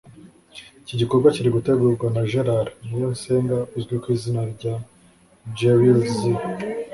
Iki gikorwa kiri gutegurwa na Gerard Niyonsenga uzwi ku izina rya Gerlzy